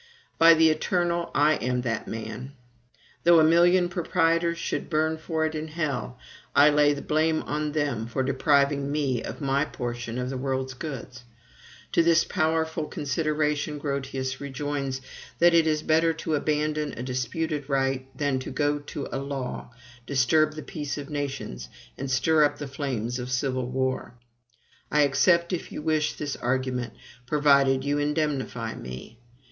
By the Eternal! I am that man. Though a million proprietors should burn for it in hell, I lay the blame on them for depriving me of my portion of this world's goods. To this powerful consideration Grotius rejoins, that it is better to abandon a disputed right than to go to law, disturb the peace of nations, and stir up the flames of civil war. I accept, if you wish it, this argument, provided you indemnify me.